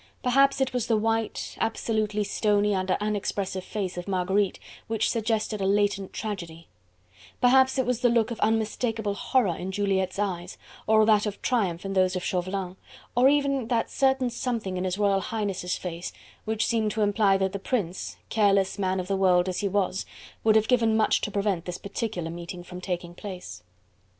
Perhaps it was the white, absolutely stony and unexpressive face of Marguerite which suggested a latent tragedy: perhaps it was the look of unmistakable horror in Juliette's eyes, or that of triumph in those of Chauvelin, or even that certain something in His Royal Highness' face, which seemed to imply that the Prince, careless man of the world as he was, would have given much to prevent this particular meeting from taking place.